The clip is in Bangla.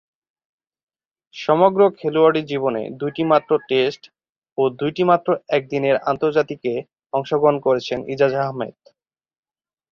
সমগ্র খেলোয়াড়ী জীবনে দুইটিমাত্র টেস্ট ও দুইটিমাত্র একদিনের আন্তর্জাতিকে অংশগ্রহণ করেছেন ইজাজ আহমেদ।